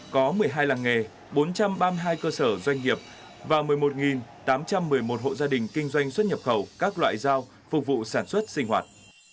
có một mươi hai làng nghề bốn trăm ba mươi hai cơ sở doanh nghiệp và một mươi một tám trăm một mươi một hộ gia đình kinh doanh xuất nhập khẩu các loại dao phục vụ sản xuất sinh hoạt